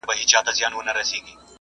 ځيني وخت د هلک کورنۍ پيسې قرض کړي